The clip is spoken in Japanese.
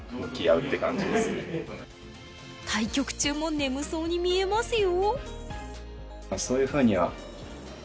対局中も眠そうに見えますよ？